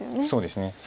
そうですね。